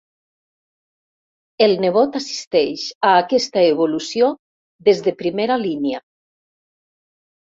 El nebot assisteix a aquesta evolució des de primera línia.